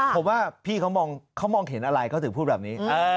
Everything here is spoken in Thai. ผมว่าพี่เขามองเห็นอะไรเขาถึงพูดแบบนี้